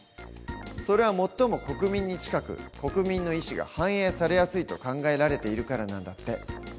それは最も国民に近く国民の意思が反映されやすいと考えられているからなんだって。